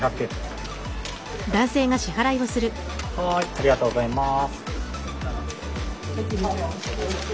ありがとうございます。